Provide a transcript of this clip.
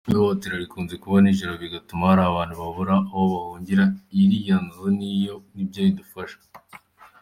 Ihohotera rikunze kuba nijoro bigatuma hari abantu babura aho bahungira; iriya nzu nibyo idufasha”.